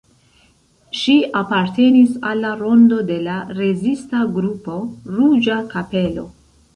Ŝi apartenis al la rondo de la rezista grupo "Ruĝa Kapelo".